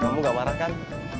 kamu nggak marah kan